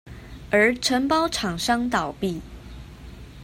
而承包廠商倒閉